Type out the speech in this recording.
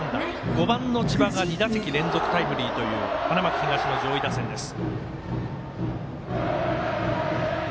５番の千葉が２打席連続タイムリーという花巻東の上位打線です。